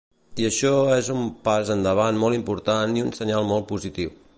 I això és un pas endavant molt important i un senyal molt positiu.